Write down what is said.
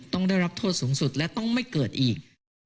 ต้องได้รับโทษสูงสุดและต้องไม่เกิดอีก